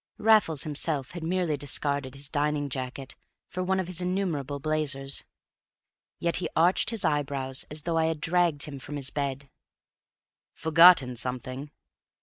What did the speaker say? Raffles himself had merely discarded his dining jacket for one of his innumerable blazers. Yet he arched his eyebrows as though I had dragged him from his bed. "Forgotten something?"